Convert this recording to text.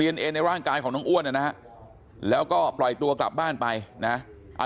ในร่างไกลของน้องอ้วนนะแล้วก็ปล่อยตัวกลับบ้านไปนะอ่าเดี๋ยว